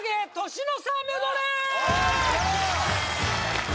年の差メドレー